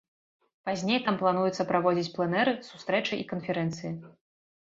Пазней там плануецца праводзіць пленэры, сустрэчы і канферэнцыі.